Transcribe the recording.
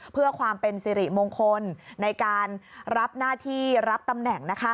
เพื่อความเป็นสิริมงคลในการรับหน้าที่รับตำแหน่ง